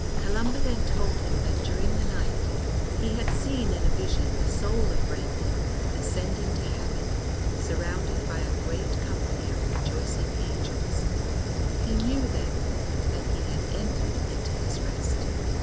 Columba then told him that during the night he had seen in a vision the soul of Brendan ascending to heaven surrounded by a great company of rejoicing angels; he knew therefore that he had entered into his rest.